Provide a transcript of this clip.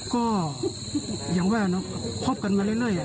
ก็อย่างแววนะคบกันมาเรื่อยอ่ะ